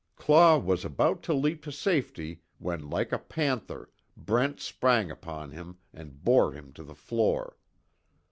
Claw was about to leap to safety when like a panther Brent sprang upon him, and bore him to the floor.